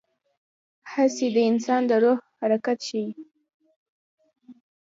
هڅې د انسان د روح حرکت ښيي.